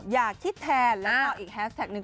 อยากคิดแทนแล้วก็อีกแฮสแท็กหนึ่ง